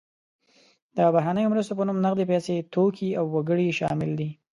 د بهرنیو مرستو په نوم نغدې پیسې، توکي او وګړي شامل دي.